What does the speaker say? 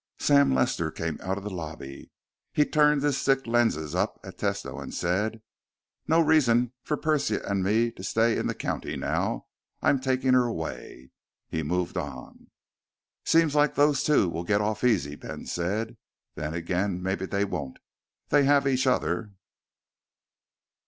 Sam Lester came out of the lobby. He turned his thick lenses up at Tesno and said, "No reason for Persia and me to stay in the county now. I'm taking her away." He moved on. "Seems like those two will get off easy," Ben said. "Then again maybe they won't. They have each other."